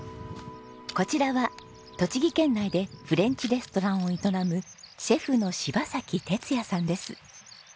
こちらは栃木県内でフレンチレストランを営むシェフの柴哲哉さんです。